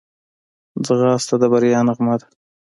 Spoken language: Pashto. ځغاسته د بریا نغمه ده